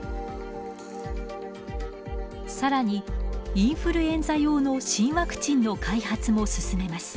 更にインフルエンザ用の新ワクチンの開発も進めます。